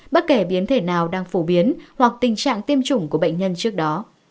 bất kể biến thể nào đang phổ biến hoặc tình trạng tiêm chủng của bệnh nhân trước đó